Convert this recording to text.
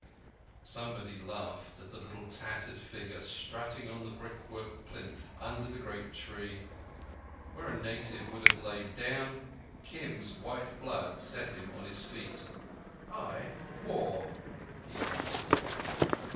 Somebody laughed at the little tattered figure strutting on the brickwork plinth under the great tree. Where a native would have lain down, Kim's white blood set him upon his feet. "Ay, War," he answered.